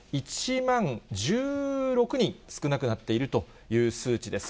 １万１６人少なくなっているという数値です。